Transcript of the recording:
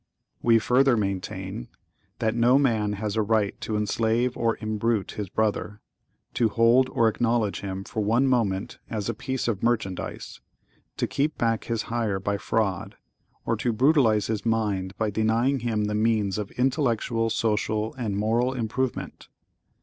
(¶ 12) We further maintain— (¶ 13) That no man has a right to enslave or imbrute his brother—to hold or acknowledge him, for one moment, as a piece of merchandise—to keep back his hire by fraud—or to brutalize his mind by denying him the means of intellectual, social, and moral improvement.